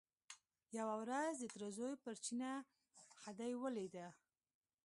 یوه ورځ د تره زوی پر چینه خدۍ ولیده.